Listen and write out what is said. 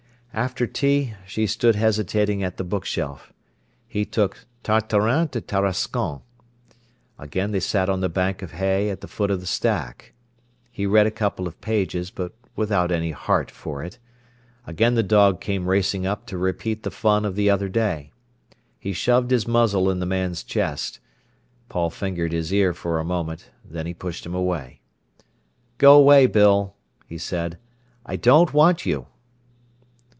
After tea she stood hesitating at the bookshelf. He took "Tartarin de Tarascon". Again they sat on the bank of hay at the foot of the stack. He read a couple of pages, but without any heart for it. Again the dog came racing up to repeat the fun of the other day. He shoved his muzzle in the man's chest. Paul fingered his ear for a moment. Then he pushed him away. "Go away, Bill," he said. "I don't want you."